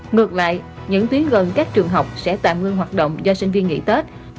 ngược lại những tuyến gần các trường học sẽ tạm ngưng hoạt động do sinh viên nghỉ tết